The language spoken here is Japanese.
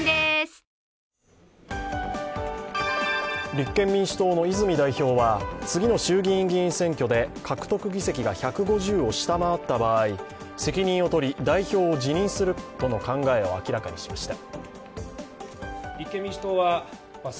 立憲民主党の泉代表は次の衆議院議員選挙で獲得議席が１５０を下回った場合、責任を取り、代表を辞任するとの考えを明らかにしました。